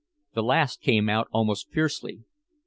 The last came out almost fiercely.